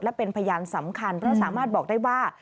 และเป็นพยานสำคัญเพราะสามารถบอกได้ว่า